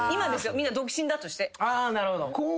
みんな独身だとして。